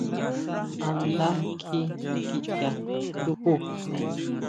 ¿A nda kjí kicha nduju?